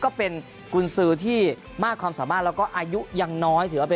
ก็เป็นกุญศที่มากความสามารถแล้วก็อายุอย่างน้อย